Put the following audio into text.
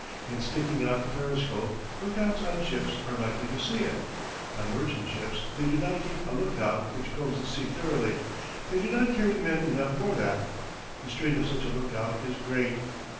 In sticking out the periscope, lookouts on ships are likely to see it. On merchant ships they do not keep a lookout which combs the sea thoroughly; they do not carry men enough for that. The strain of such a lookout is great.